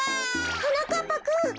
はなかっぱくん。